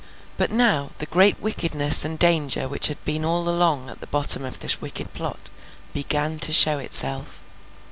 But, now, the great wickedness and danger which had been all along at the bottom of this wicked plot, began to show itself.